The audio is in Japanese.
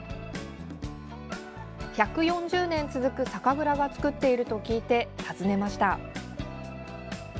１４０年続く酒蔵が造っていると聞いて、訪ねました。